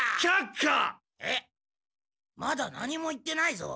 まだ何も言ってないぞ。